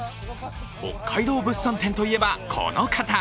北海道物産展といえば、この方。